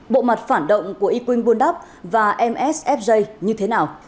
bộ mặt phản động của y quynh buôn đắk và msfj như thế nào